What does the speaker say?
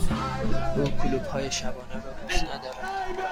او کلوپ های شبانه را دوست ندارد.